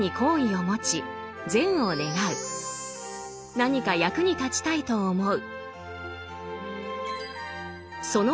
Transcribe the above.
何か役に立ちたいと思う。